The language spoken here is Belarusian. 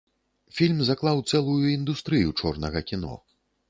Фільм заклаў цэлую індустрыю чорнага кіно.